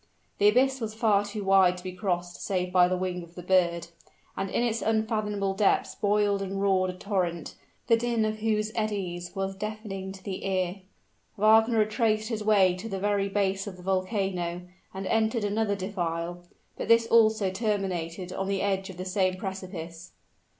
The abyss was far too wide to be crossed save by the wing of the bird: and in its unfathomable depths boiled and roared a torrent, the din of whose eddies was deafening to the ear. Wagner retraced his way to the very base of the volcano, and entered another defile: but this also terminated on the edge of the same precipice.